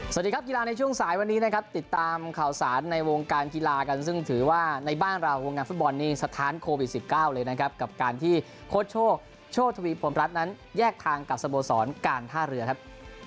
สวัสดีครับกีฬาในช่วงสายวันนี้นะครับติดตามข่าวสารในวงการกีฬากันซึ่งถือว่าในบ้านเราวงการฟุตบอลนี่สถานโควิด๑๙เลยนะครับกับการที่โค้ชโชคโชคทวีพรมรัฐนั้นแยกทางกับสโมสรการท่าเรือครับ